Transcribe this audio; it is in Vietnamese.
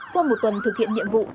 qua một tuần thực hiện nhiệm vụ